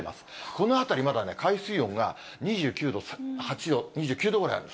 この辺り、まだね、海水温が２９度、８度、２９度ぐらいある。